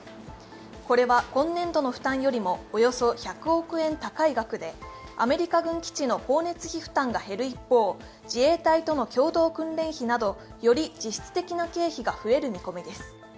これは今年度の負担よりもおよそ１００円高い額で、アメリカ軍基地の光熱費負担が減る一方、自衛隊との共同訓練費などより実質的な経費が増える見込みです。